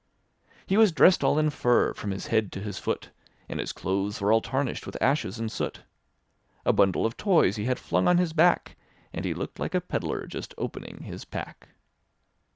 He was dressed all in fur, from his head to his foot. And hia clothes were all tarnished with ashes and soot; A bundle of toys he had flung on his back. And he looked like a peddler just opening his pack.